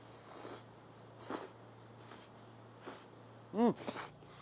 うん！